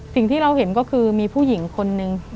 สิ่งที่เราเห็นก็คือมีผู้หญิงคนนึง